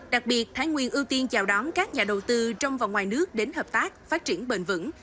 đặc biệt thái nguyên ưu tiên chào đón các nhà đầu tư trong và ngoài nước đến hợp tác phát triển bền vững